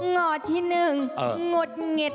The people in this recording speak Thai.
งอที่หนึ่งงดหงีด